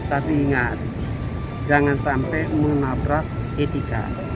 tapi ingat jangan sampai menabrak etika